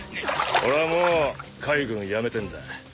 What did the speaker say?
俺はもう海軍辞めてんだ。